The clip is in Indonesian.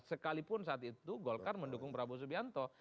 sekalipun saat itu golkar mendukung prabowo subianto